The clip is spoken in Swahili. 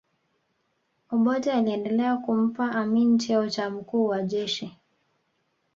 obote aliendelea kumpa amin cheo cha mkuu wa jeshi